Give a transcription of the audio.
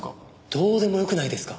どうでもよくないですか？